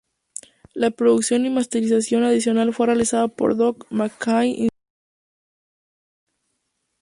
La producción y masterización adicional fue realizada por Doc McKinney y Cirkut.